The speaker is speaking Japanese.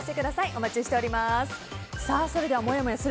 お待ちしております。